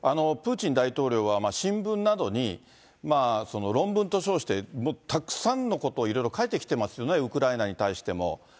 プーチン大統領は新聞などに、論文と称して、たくさんのことをいろいろ書いてきてますよね、ウクライナに対しても。